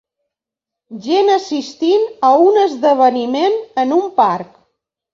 Gent assistint a un esdeveniment en un parc.